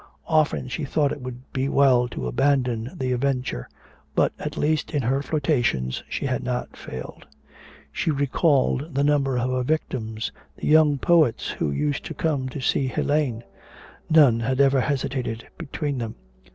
Often she thought it would be well to abandon the adventure, but at least, in her flirtations, she had not failed. She recalled the number of her victims, the young poets who used to come to see Helene; none had ever hesitated between them.